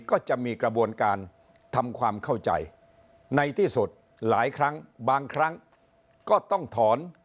ก็จะมีกระบวนการทำความเข้าใจในที่สุดหลายครั้งบางครั้งก็ต้องถอน